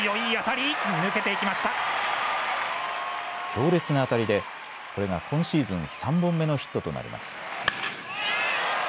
強烈な当たりでこれが今シーズン３本目のヒットとなります。